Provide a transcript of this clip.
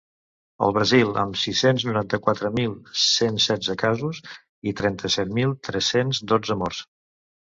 El Brasil, amb sis-cents noranta-quatre mil cent setze casos i trenta-set mil tres-cents dotze morts.